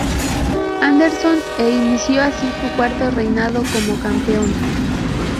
Anderson, e inició así su cuarto reinado como campeón.